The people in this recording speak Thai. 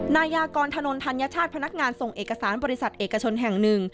นายกรถนนธัญชาติพนักงานส่งเอกสารบริษัทเอกชนแห่งหนึ่ง